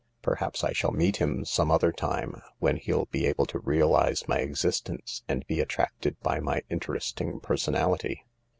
" Perhaps I shall meet him some other time, when he'll be able to realise my existence and be attracted by my interest ing personality.